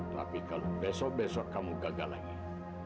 tapi kalau besok besok kamu gagal lagi